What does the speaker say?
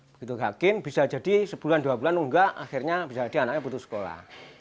begitu yakin bisa jadi sebulan dua bulan enggak akhirnya bisa jadi anaknya putus sekolah